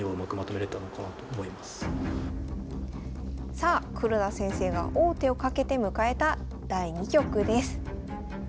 さあ黒田先生が王手をかけて迎えた第２局です。